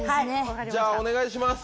じゃあお願いします。